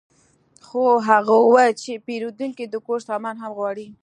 خو هغه وویل چې پیرودونکی د کور سامان هم غواړي